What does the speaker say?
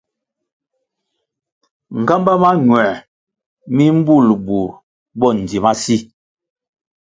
Nğámbá mañuer mi mbul bur bo ndzi ma si.